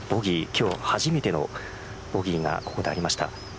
今日初めてのボギーがここでありました。